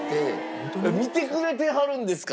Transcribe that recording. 見てくれてはるんですか！？